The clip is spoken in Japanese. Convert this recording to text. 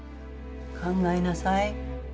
考えなさい。